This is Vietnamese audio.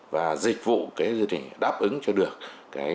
và dịch vụ đáp ứng cho được